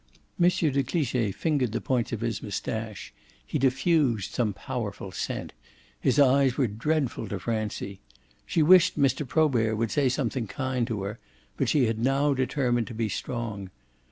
M. de Cliche fingered the points of his moustache; he diffused some powerful scent; his eyes were dreadful to Francie. She wished Mr. Probert would say something kind to her; but she had now determined to be strong.